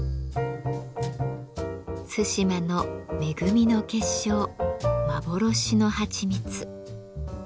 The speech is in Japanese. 対馬の恵みの結晶幻のはちみつ。